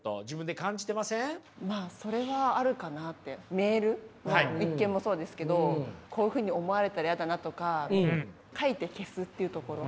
メールの一件もそうですけどこういうふうに思われたら嫌だなとか書いて消すっていうところ。